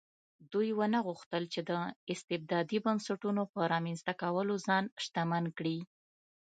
دوی ونه غوښتل چې د استبدادي بنسټونو په رامنځته کولو ځان شتمن کړي.